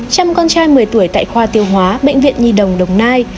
chăm con trai một mươi tuổi tại khoa tiêu hóa bệnh viện nhi đồng đồng nai